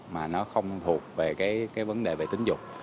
mà nó không thuộc về cái vấn đề về tính dục